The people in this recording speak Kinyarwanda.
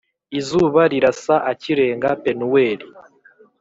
Izuba rirasa akirenga Penuweli